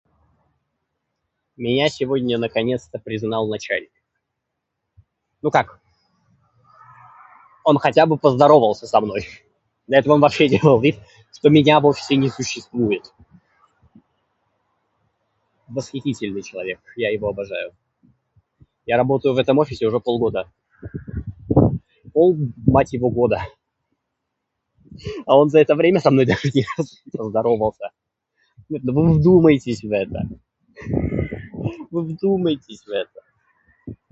Меня сегодня наконец-то признал начальник. Ну, как... Он хотя бы поздоровался со мной. До этого он делал вид, что меня вовсе не существует. Восхитительный человек, я его обожаю. Я работаю в этом офисе уже полгода. [start of separated word|Пол-], мать его, [end of separated word|-года].